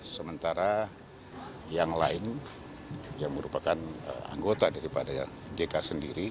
sementara yang lain yang merupakan anggota daripada jk sendiri